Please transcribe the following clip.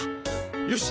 よし！